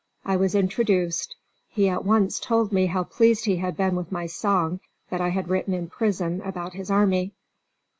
I was introduced. He at once told me how pleased he had been with my song, that I had written in prison about his army.